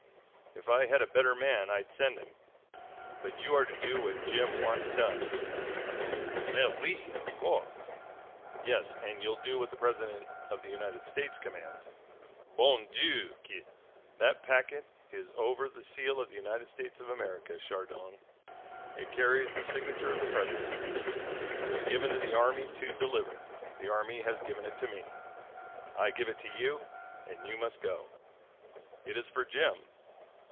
If I had a better man I'd send him, but you are to do what Jim wants done." "Mais, oui, of course." "Yes. And you'll do what the President of the United States commands." "Bon Dieu, Kit!" "That packet is over the seal of the United States of America, Chardon. It carries the signature of the President. It was given to the Army to deliver. The Army has given it to me. I give it to you, and you must go. It is for Jim.